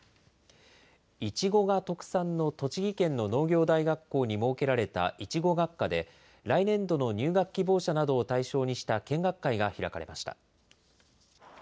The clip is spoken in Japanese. いちごが特産の栃木県の農業大学校に設けられたいちご学科で、来年度の入学希望者などを対象にした見学会が開かれました。